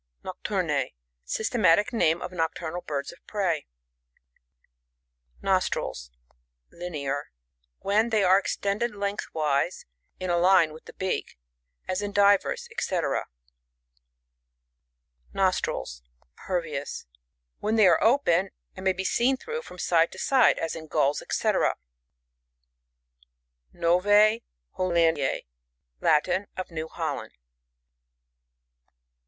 NocTURN.£. — Systematic name of nocturnal birds of prey. Nostrils, (Linear) — When they are extended lengthwise in a Ane with the beak, as in Divero, &.c Nostrils, (Pervious) — When they are open, and may be seen thiough from side to side, as in Gulls, &,c. NoViE HoLLANDiiE. — Latin. Of New Holland.